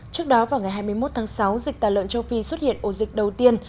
trước đó vào ngày hai mươi một tháng sáu dịch tà lợn châu phi xuất hiện ổ dịch đầu tiên